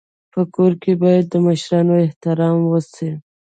په کور کي باید د مشرانو احترام وسي.